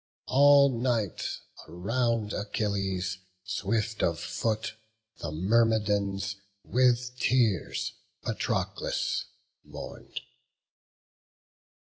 All night around Achilles swift of foot The Myrmidons with tears Patroclus mourn'd.